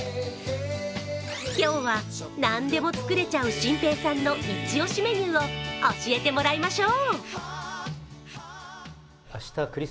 今日は何でも作れちゃう心平さんのイチ押しメニューを教えてもらいましょう。